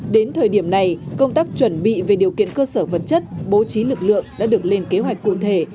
đến thời điểm này công tác chuẩn bị về điều kiện cơ sở vật chất bố trí lực lượng đã được lên kế hoạch cụ thể